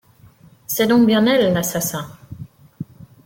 C'est donc bien elle l’assassin.